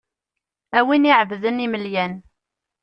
A win iɛebḏen imelyan.